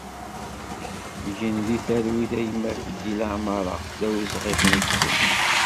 Gen di talwit a gma Feddi Lamara, d awezɣi ad k-nettu!